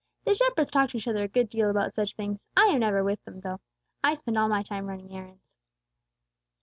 The shepherds talk to each other a good deal about such things, I am never with them though. I spend all my time running errands."